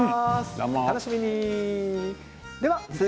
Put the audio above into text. お楽しみに。